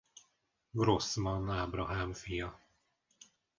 Grossmann Ábrahám fia.